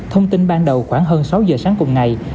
thông tin ban đầu khoảng hơn sáu giờ sáng cùng ngày